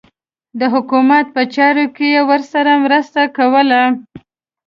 د حکومت په چارو کې یې ورسره مرسته کوله.